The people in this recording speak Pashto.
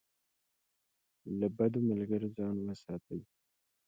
له بدو ملګرو ځان وساتئ.